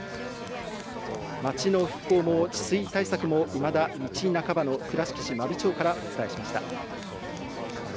町の復興も治水対策もいまだ道半ばの倉敷市真備町からお伝えしました。